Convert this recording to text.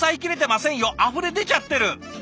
あふれ出ちゃってる！